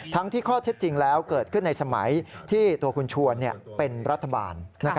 ที่ข้อเท็จจริงแล้วเกิดขึ้นในสมัยที่ตัวคุณชวนเป็นรัฐบาล